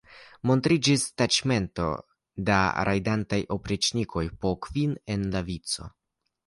Montriĝis taĉmento da rajdantaj opriĉnikoj po kvin en la vico.